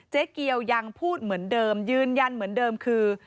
เจ๊เกียวยังพูดเหมือนเดิมยืนยันเหมือนเดิมคือ